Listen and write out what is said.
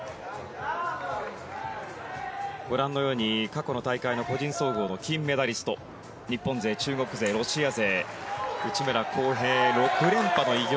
ご覧のように過去の大会の個人総合の金メダリスト日本勢、中国勢、ロシア勢内村航平、６連覇の偉業。